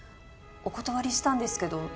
お断りしたんですけど。